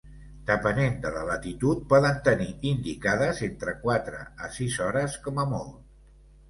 Depenent de la latitud poden tenir indicades entre quatre a sis hores com a molt.